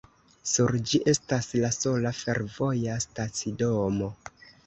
Sur ĝi estas la sola fervoja stacidomo.